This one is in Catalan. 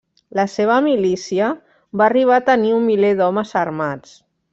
La seva milícia va arribar a tenir un miler d'homes armats.